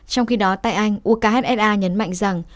trong khi đó tại anh ukhsa nhấn mạnh rằng